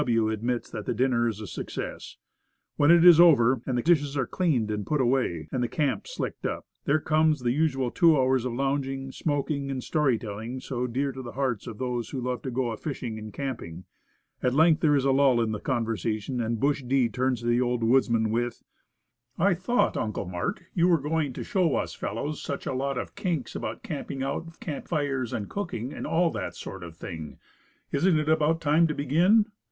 W. admits that the dinner is a success. When it is over the dishes are cleaned and put away, 80 Woodcraft. and the camp slicked up, there comes the usual two hours of lounging, smoking, and story telling, so dear to the hearts of those who love to go a fishing and camping. At length there is a lull in the conversa tion, and Bush D. turns to the old woodsman with, "I thought, 'Uncle Mart,' you were going to show us fellows such a lot of kinks about camping out, camp fires, cooking, and all that sort of thing, isn't it about time to begin?